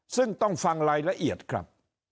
ซึ่งต้องฟังรายละเอียดครับ